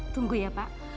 tunggu ya pak